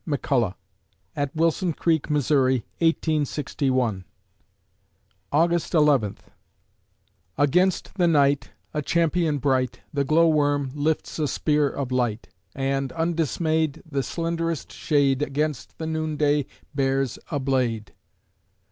McCulloch at Wilson Creek, Mo., 1861_ August Eleventh Against the night, a champion bright, The glow worm, lifts a spear of light; And, undismayed, the slenderest shade Against the noonday bares a blade.